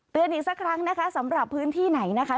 อีกสักครั้งนะคะสำหรับพื้นที่ไหนนะคะ